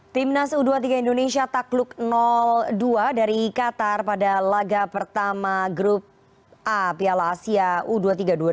timnas u dua puluh tiga indonesia takluk dua dari qatar pada laga pertama grup a piala asia u dua puluh tiga dua ribu dua puluh